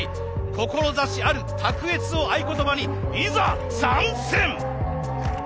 「志ある卓越」を合言葉にいざ参戦！